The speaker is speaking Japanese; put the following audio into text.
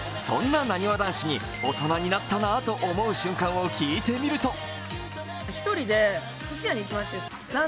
そんななにわ男子に大人になったなと思う瞬間を聞いてみると。